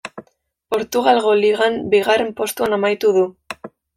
Portugalgo ligan bigarren postuan amaitu du.